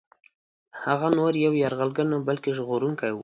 هغه نور یو یرغلګر نه بلکه ژغورونکی وو.